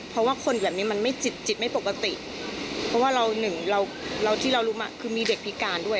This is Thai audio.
เพราะว่าคนแบบนี้มันไม่จิตจิตไม่ปกติเพราะว่าเราหนึ่งเราที่เรารู้มาคือมีเด็กพิการด้วย